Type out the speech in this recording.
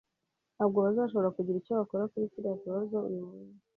Ntabwo bazashobora kugira icyo bakora kuri kiriya kibazo uyu munsi